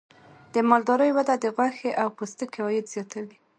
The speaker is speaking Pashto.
د مالدارۍ وده د غوښې او پوستکي عاید زیاتوي.